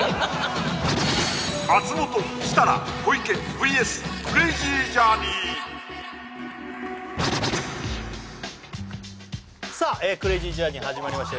松本設楽小池ＶＳクレイジージャーニーさあクレイジージャーニー始まりました